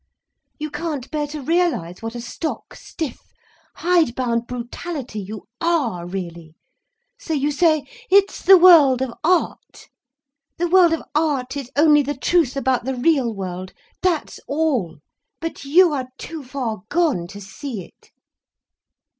You can't bear to realise what a stock, stiff, hide bound brutality you are really, so you say 'it's the world of art.' The world of art is only the truth about the real world, that's all—but you are too far gone to see it."